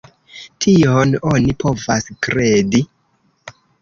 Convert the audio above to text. Tion oni povas kredi.